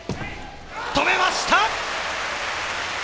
止めました！